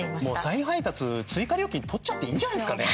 再配達、追加料金を取っちゃっていいんじゃないですかね。